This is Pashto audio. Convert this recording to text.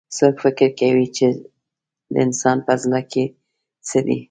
څوک فکر کوي چې د انسان پهزړه کي څه دي